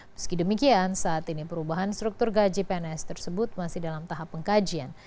meski demikian saat ini perubahan struktur gaji pns tersebut masih dalam tahap pengkajian